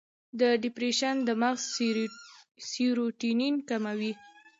د ډیپریشن د مغز سیروټونین کموي.